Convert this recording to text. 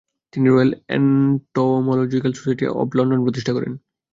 তিনি Royal Entomological Society of London প্রতিষ্ঠা করেন।